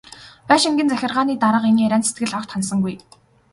Байшингийн захиргааны дарга энэ ярианд сэтгэл огт ханасангүй.